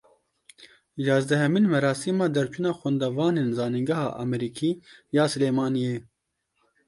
Yazdehemîn merasîma derçûna xwendevanên Zanîngeha Amerîkî ya Silêmaniyê.